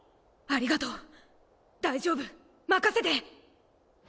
ありがとう大丈夫任せて！